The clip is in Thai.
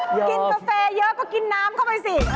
กินกาแฟเยอะก็กินน้ำเข้าไปสิ